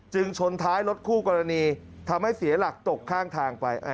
ชนท้ายรถคู่กรณีทำให้เสียหลักตกข้างทางไป